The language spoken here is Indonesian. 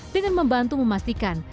dengan membantu memastikan